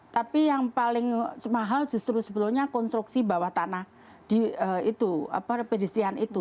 tapi yang paling mahal justru sebelumnya konstruksi bawah tanah di itu peristrian itu